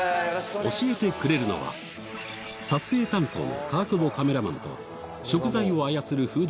教えてくれるのは撮影担当の川久保カメラマンと食材を操るフード